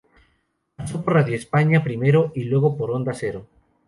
Pasó por Radio España primero y luego por Onda Cero.